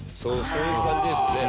そういう感じですよね。